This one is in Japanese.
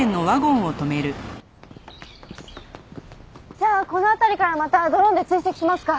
じゃあこの辺りからまたドローンで追跡しますか。